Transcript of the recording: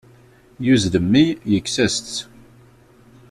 Yuzzel mmi yekkes-as-tt.